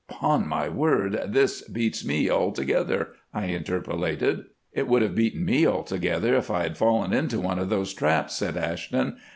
"'Pon my word, this beats me altogether," I interpolated. "It would have beaten me altogether if I had fallen into one of those traps," said Ashton.